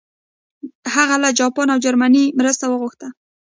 هغه له جاپان او جرمني مرسته وغوښته.